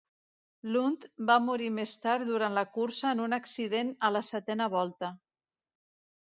Lund va morir més tard durant la cursa en un accident a la setena volta.